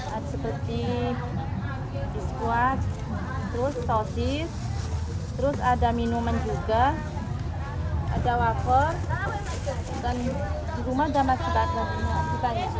ada seperti di squat terus sosis terus ada minuman juga ada wakor dan di rumah ada masih banyak